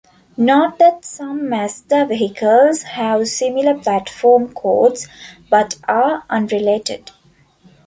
Note that some Mazda vehicles have similar platform codes but are unrelated.